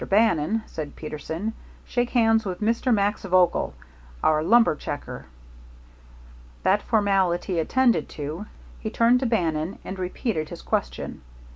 Bannon," said Peterson, "shake hands with Mr. Max Vogel, our lumber checker." That formality attended to, he turned to Bannon and repeated his question.